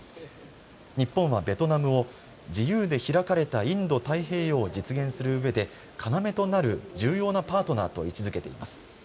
日本はベトナムを自由で開かれたインド太平洋を実現するうえで要となる重要なパートナーと位置づけています。